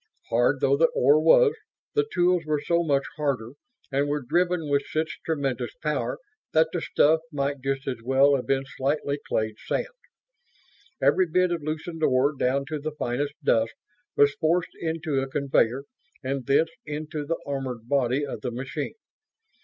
Hard though the ore was, the tools were so much harder and were driven with such tremendous power that the stuff might just have well have been slightly clayed sand. Every bit of loosened ore, down to the finest dust, was forced into a conveyor and thence into the armored body of the machine.